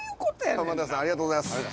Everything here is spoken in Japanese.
浜田さんありがとうございます。